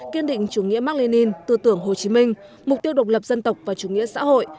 kiên định chủ nghĩa mạc lê ninh tư tưởng hồ chí minh mục tiêu độc lập dân tộc và chủ nghĩa xã hội